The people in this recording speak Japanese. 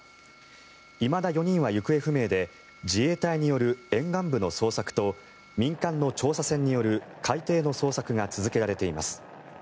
いまだ４人は行方不明で自衛隊による沿岸部の捜索と民間の調査船による海底の捜索が続けられています。